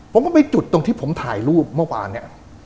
ผมก็ไปจุดตรงที่ผมถ่ายรูปเมื่อวานเนี่ย